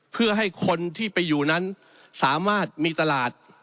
เพื่อให้คนที่ไปอยู่นั้นสามารถมีตลาด